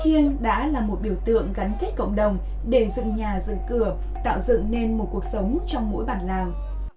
chiêng đã là một biểu tượng gắn kết cộng đồng để dựng nhà dựng cửa tạo dựng nên một cuộc sống trong mỗi bản làng